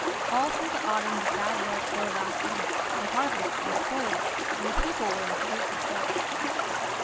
All through the autumn the bad weather lasted ; the harvests were spoiled, and the people were in great distress.